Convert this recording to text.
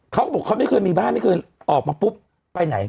เขาบอกเขาไม่เคยมีบ้านไม่เคยออกมาปุ๊บไปไหน